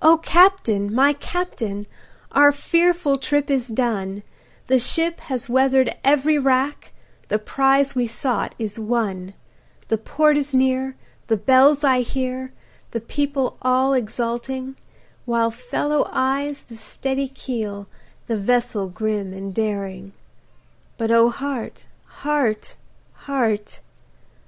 O CAPTAIN! my Captain, our fearful trip is done, The ship has weather'd every rack, the prize we sought is won, The port is near, the bells I hear, the people all exulting, While follow eyes the steady keel, the vessel grim and daring; But O heart! heart! heart!